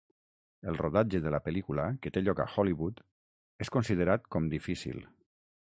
El rodatge de la pel·lícula, que té lloc a Hollywood, és considerat com difícil.